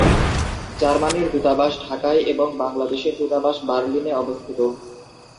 জার্মানির দূতাবাস ঢাকায়, এবং বাংলাদেশের দূতাবাস বার্লিনে অবস্থিত।